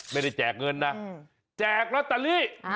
ไม่ได้แจกเงินนะแจกลอตเตอรี่